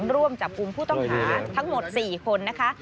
ร่วมจับกลุ่มผู้ต้องหาทั้งหมด๔คนนะคะ